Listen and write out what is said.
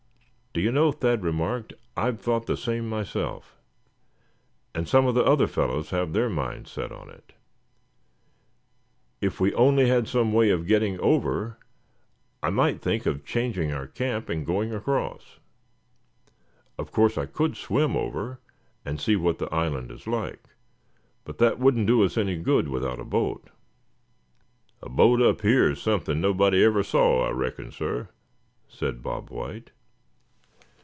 "Do you know," Thad remarked, "I've thought the same myself, and some of the other fellows have their minds set on it. If we only had some way of getting over, I might think of changing our camp, and going across. Of course I could swim over and see what the island is like, but that wouldn't do us any good without a boat." "A boat up here is something nobody ever saw, I reckon, suh," said Bob White.